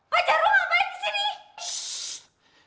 pak jarwo ngapain di sini